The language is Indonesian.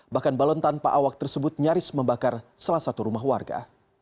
bahkan balon tanpa awak tersebut nyaris membakar salah satu rumah warga